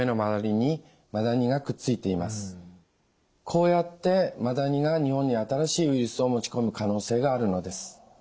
こうやってマダニが日本に新しいウイルスを持ち込む可能性があるのです。